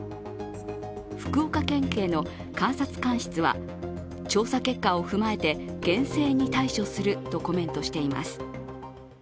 福岡県警の監察官室は調査結果を踏まえて厳正に対処するとコメントしています。